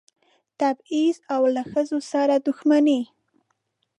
تبعیض او له ښځو سره دښمني.